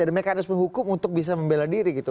ada mekanisme hukum untuk bisa membela diri gitu